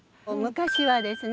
昔はですね